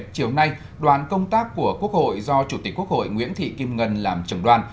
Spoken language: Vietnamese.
chiều nay đoàn công tác của quốc hội do chủ tịch quốc hội nguyễn thị kim ngân làm trưởng đoàn